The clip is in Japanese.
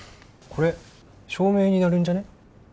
これ証明になるんじゃね？